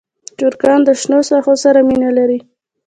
چرګان د شنو ساحو سره مینه لري.